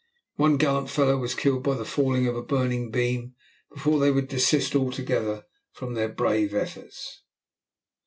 One gallant fellow was killed by the falling of a burning beam before they would desist altogether from their brave efforts.